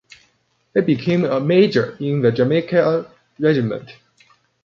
He became a Major in the Jamaica Regiment.